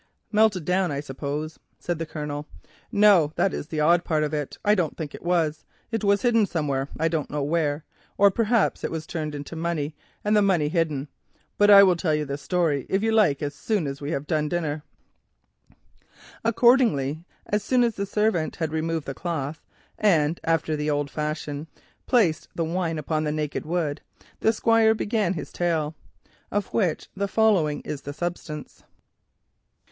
"Melted down, I suppose," said the Colonel. "No, that is the odd part of it. I don't think it was. It was hidden somewhere—I don't know where, or perhaps it was turned into money and the money hidden. But I will tell you the story if you like as soon as we have done dinner." Accordingly, when the servants had removed the cloth, and after the old fashion placed the wine upon the naked wood, the Squire began his tale, of which the following is the substance.